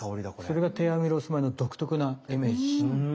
それが低アミロース米の独特なイメージ。